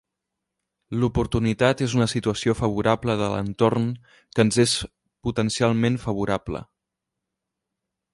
L'oportunitat és una situació favorable de l'entorn que ens és potencialment favorable.